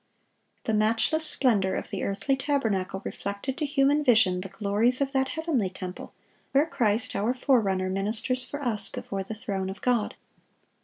The matchless splendor of the earthly tabernacle reflected to human vision the glories of that heavenly temple where Christ our forerunner ministers for us before the throne of God.